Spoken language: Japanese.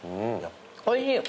おいしい。